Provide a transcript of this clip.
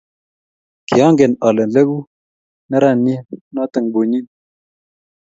Kiangen ale leku neranie noto bunyin